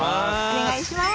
お願いします。